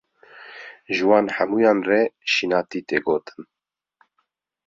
Ji wan hemûyan re şînatî tê gotin.